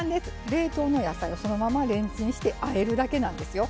冷凍の野菜をそのままレンチンしてあえるだけなんですよ。